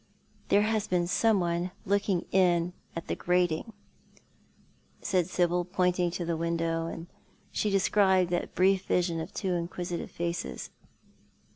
"There has been someone looking in at that grating," said Sibyl, pointing to the window, and then she described that brief vision of two inquisitive faces.